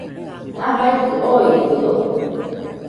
¿jafaikɨ ooitɨo.?